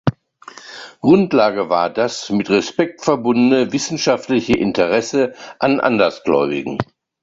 Grundlage war das mit Respekt verbundene wissenschaftliche Interesse an Andersgläubigen.